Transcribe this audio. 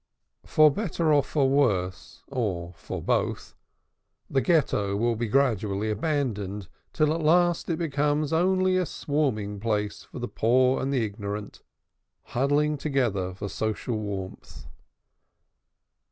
For better or for worse, or for both, the Ghetto will be gradually abandoned, till at last it becomes only a swarming place for the poor and the ignorant, huddling together for social warmth.